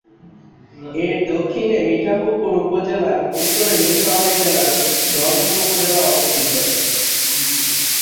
এর দক্ষিণে মিঠাপুকুর উপজেলা এবং উত্তরে নীলফামারী জেলার জলঢাকা উপজেলা অবস্থিত।